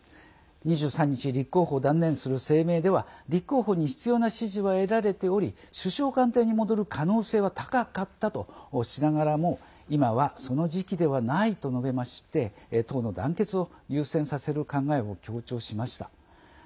２３日立候補を断念する声明では立候補に必要な支持は得られており首相官邸に戻る可能性は高かったとしながらも今はその時期ではないと述べまして党の団結を優先させる考えを強調しました。